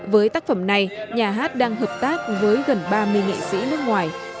với tác phẩm này nhà hát đang hợp tác với gần ba mươi nghệ sĩ nước ngoài